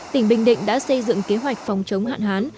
tỉnh bình định đã xây dựng kế hoạch phòng chống hạn hán